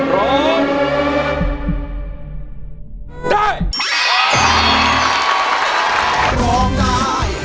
โลกใจร้องได้